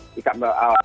tidak melaporkan hal itu